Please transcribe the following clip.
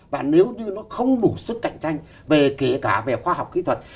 và nếu như nó không đủ sức cạnh tranh về kể cả về khoa học kỹ thuật